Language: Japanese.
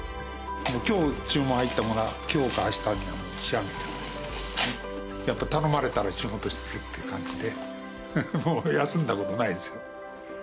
今日注文が入ったものは今日か明日には仕上げちゃうやっぱ頼まれたら仕事をするっていう感じでもう休んだことないですよ